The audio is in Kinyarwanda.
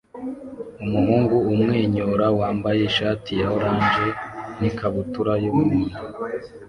Umuhungu umwenyura wambaye ishati ya orange n'ikabutura y'umuhondo